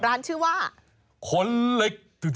ร้านชื่อว่าคนเล็ก